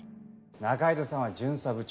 仲井戸さんは巡査部長。